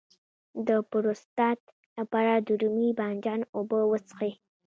د پروستات لپاره د رومي بانجان اوبه وڅښئ